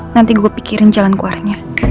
nanti gue pikirin jalan keluarnya